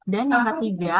dan yang ketiga